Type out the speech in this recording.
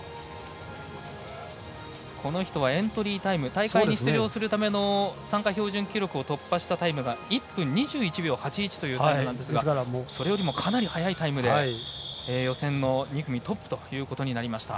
この人はエントリータイム大会に出場するための参加標準記録を突破したタイムが１分２１秒８１というタイムでしたからそれよりもかなり早いタイムで予選２組トップとなりました。